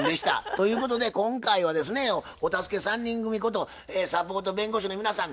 ということで今回はですねお助け３人組ことサポート弁護士の皆さんにご協力頂きました。